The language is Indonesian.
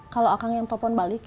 kalau akan yang telepon balik